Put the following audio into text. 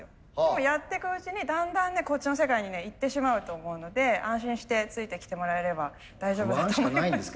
もうやってくうちにだんだんねこっちの世界にね行ってしまうと思うので安心してついてきてもらえれば大丈夫だと思います。